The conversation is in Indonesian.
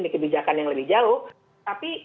di kebijakan yang lebih jauh tapi